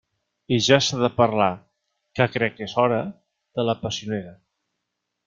I ja s'ha de parlar —que crec que és hora— de la passionera.